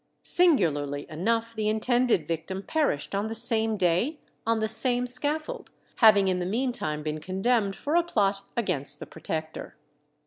Singularly enough, the intended victim perished on the same day on the same scaffold, having in the meantime been condemned for a plot against the Protector.